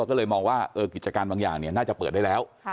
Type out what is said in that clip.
ก็เลยมองว่ากิจการบางอย่างน่าจะเปิดได้แล้ว